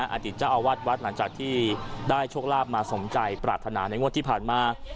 อาจิตจะเอาวัดหลังจากที่ได้โชคลัพธ์มาสมใจปรารถนาในงวดที่ผ่านมา